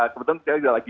kebetulan saya juga lagi